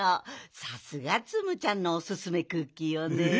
さすがツムちゃんのおすすめクッキーよね。